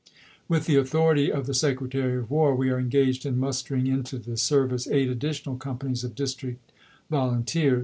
With the authority of the Secretary of War we are engaged in mustering into the service eight additional companies of District volunteers.